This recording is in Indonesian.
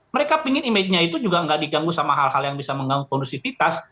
mereka ingin image nya itu juga nggak diganggu sama hal hal yang bisa mengganggu kondusivitas